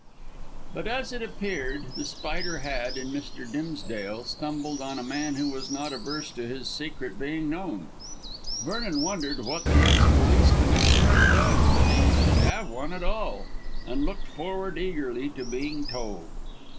But, as it appeared, The Spider had, in Mr. Dimsdale, stumbled on a man who was not averse to his secret being known. Vernon wondered what the ex police commissioner had done that he should have one at all, and looked forward eagerly to being told.